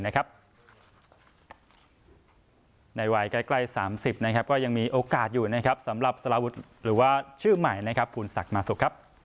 ในวัยใกล้๓๐ก็ยังมีโอกาสอยู่นะครับสำหรับสารวุฒิหรือว่าชื่อใหม่ภูนศักดิ์มาสุกครับ